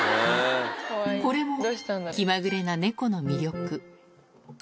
これも気まぐれな猫の魅力。